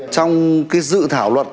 trong dự thảo luật